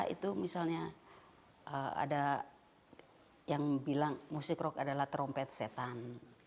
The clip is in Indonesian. itu misalnya ada yang bilang musik rock adalah trompet setan